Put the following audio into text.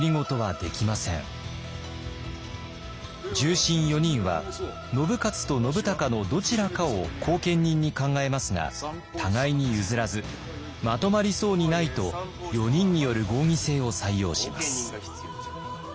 重臣４人は信雄と信孝のどちらかを後見人に考えますが互いに譲らずまとまりそうにないと４人による合議制を採用します。